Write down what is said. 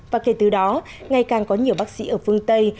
và kể từ đó ngày càng có nhiều bác sĩ ở phương tây